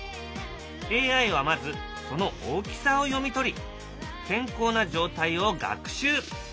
ＡＩはまずその大きさを読み取り健康な状態を学習。